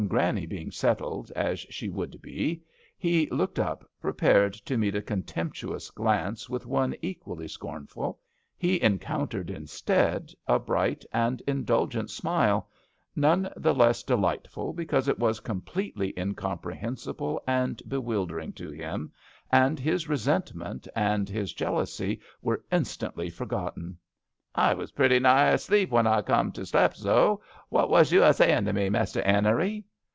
Granny being settled as she would be, he looked up, prepared to meet a contemptuous glance with one equally scornful, he encoun tered instead a bright and indul gent smile, none the less delight GRANNY LOVELOCK AT HOME. 169 ful because it was completely incomprehensible and bewilder ing to him, and his resentment and his jealousy were instantly forgotten. "I was pretty nigh asleep when I come to slep zo. What was you a zayin' to me, Mester 'Enery